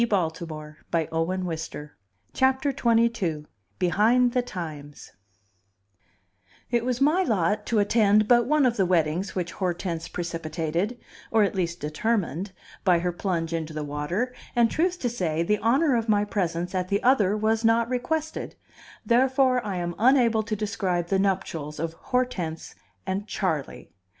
And, I thought, the cake was now settled forever. XXII: Behind the Times It was my lot to attend but one of the weddings which Hortense precipitated (or at least determined) by her plunge into the water; and, truth to say, the honor of my presence at the other was not requested; therefore I am unable to describe the nuptials of Hortense and Charley.